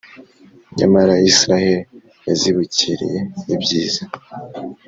Nyamara Israheli yazibukiriye ibyiza,